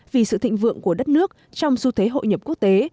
vì sự thịnh vượng của đất nước trong xu thế hội nhập quốc tế